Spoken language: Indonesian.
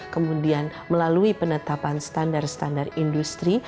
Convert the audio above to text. kemudian melalui penetapan standar standar industri